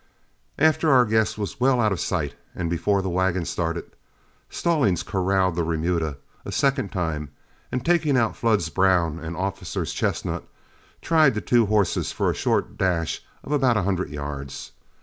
After our guest was well out of sight, and before the wagon started, Stallings corralled the remuda a second time, and taking out Flood's brown and Officer's chestnut, tried the two horses for a short dash of about a hundred yards.